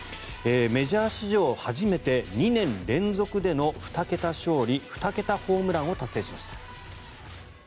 メジャー史上初めて２年連続での２桁勝利２桁ホームランを達成しました。